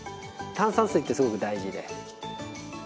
炭酸水ってすごく大事で。